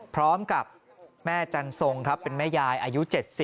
พร้อมกับแม่จันทรงครับเป็นแม่ยายอายุ๗๐